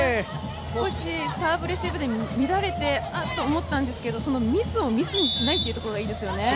少しサーブレシーブで乱れてあっと思ったんですけどそのミスをミスにしないというところがいいですね。